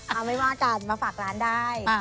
เอาไม่ว่ากันมาฝากร้านได้